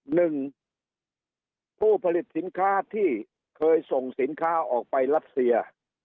หนึ่งผู้ผลิตสินค้าที่เคยส่งสินค้าออกไปรัสเซีย